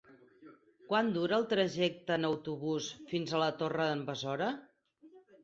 Quant dura el trajecte en autobús fins a la Torre d'en Besora?